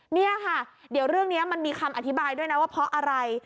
นี่ค่ะเดี๋ยวเรื่องนี้มันมีคำอธิบายด้วยนะว่าเพราะอะไร